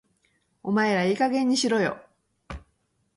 お前らいい加減にしろよ